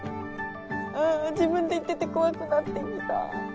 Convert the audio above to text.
あ自分で言ってて怖くなってきた。